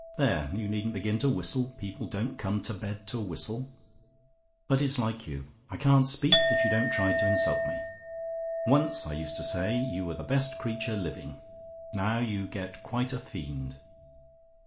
There you needn't begin to whistle: people don't come to bed to whistle. But it's like you. I can't speak, that you don't try to insult me. Once, I used to say you were the best creature living; now you get quite a fiend.